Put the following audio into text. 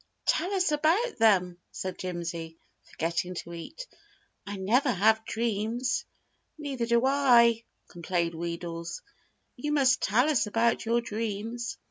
"Tell us about them," said Jimsy, forgetting to eat. "I never have dreams." "Neither do I," complained Wheedles. "You must tell us about your dreams."